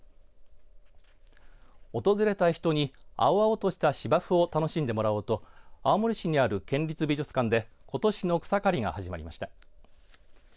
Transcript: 訪れた人に青々とした芝生を楽しんでもらおうと青森市にある県立美術館でことしの草刈りが始まりました。